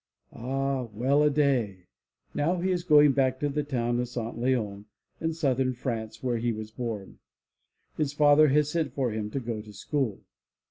Ah, well a day ! Now he is going back to the town of St. Leons in southern France where he was bom. His father has sent for him to go to school.